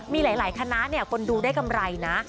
มีหลายคณะคนดูได้กำไรนะ